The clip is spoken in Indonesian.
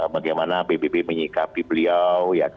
bagaimana ppp menyikapi beliau